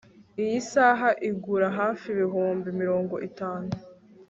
iyi saha igura hafi ibihumbi mirongo itanu